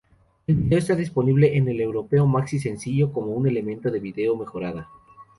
El video está disponible en el Europeo Maxi-sencillo como un elemento de vídeo mejorada.